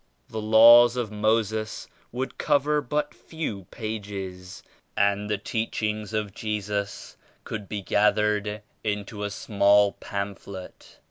The Laws of Moses would cover but few pages and the Teachings of Jesus could be gathered into a small pamphlet.